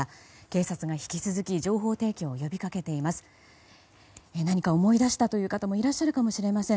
警察が引き続き情報提供を呼びかけています。